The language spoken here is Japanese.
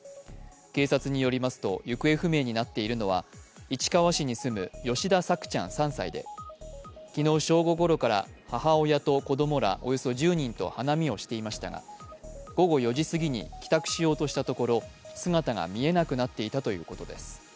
警察によりますと行方不明になっているのは市川市に住む吉田朔ちゃん３歳で昨日正午ごろから母親と子供らおよそ１０人と花見をしていましたが午後４時すぎに、帰宅しようとしたところ姿が見えなくなっていたということです。